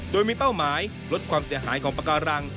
โดยมีเป้าหมายลดความเสียหายของปากการัง